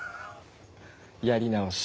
やり直し。